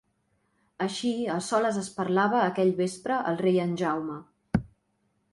Així a soles es parlava aquell vespre el rei en Jaume.